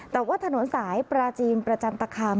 แต่ว่าถนนสายปราจีนประจันตคาม